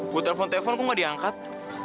gue telepon telepon kok gak diangkat